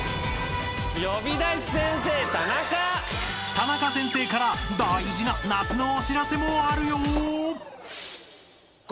［タナカ先生から大事な夏のお知らせもあるよ］